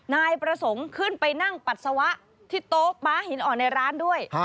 นายประสงค์ขึ้นไปนั่งปัสสาวะที่โต๊ะม้าหินอ่อนในร้านด้วย